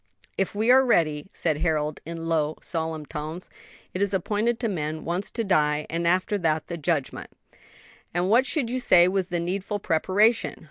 "If we are ready," said Harold, in low, solemn tones. "It is appointed to men once to die, and after that the judgment." "And what should you say was the needful preparation?"